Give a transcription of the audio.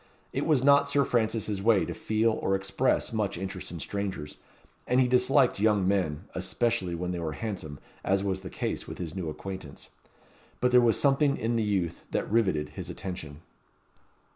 It was not Sir Francis's way to feel or express much interest in strangers, and he disliked young men, especially when they were handsome, as was the case with his new acquaintance; but there was something in the youth that riveted his attention.